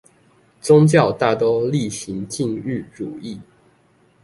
宗教大都厲行禁欲主義